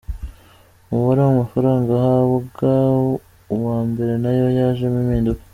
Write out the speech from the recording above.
Umubare w’amafaranga ahabwa uwa mbere nayo yajemo impinduka.